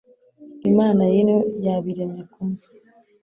Imana y' ino yabiremye kumwe